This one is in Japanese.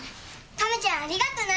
亀ちゃんありがとな。